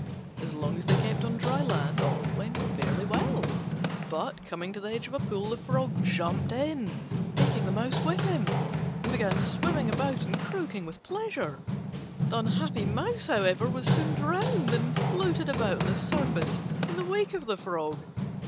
As long as they kept on dry land all went fairly well; but, coming to the edge of a pool, the Frog jumped in, taking the Mouse with him, and began swimming about and croaking with pleasure. The unhappy Mouse, however, was soon drowned, and floated about on the surface in the wake of the Frog.